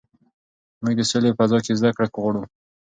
موږ د سولې په فضا کې زده کړه غواړو.